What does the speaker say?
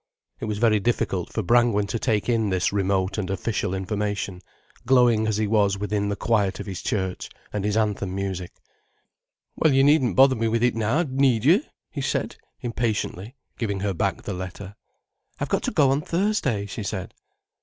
It was very difficult for Brangwen to take in this remote and official information, glowing as he was within the quiet of his church and his anthem music. "Well, you needn't bother me with it now, need you?' he said impatiently, giving her back the letter. "I've got to go on Thursday," she said.